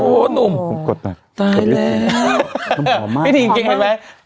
โอ้โหหนุ่มผมกดใจตายแล้วพี่หินเก่งเห็นไหม